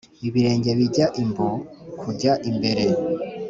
Ibirenge bijya imbu kujya imbere.